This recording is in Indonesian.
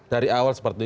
dari awal seperti itu